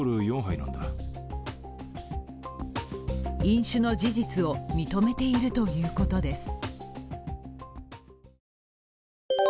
飲酒の事実を認めているということです。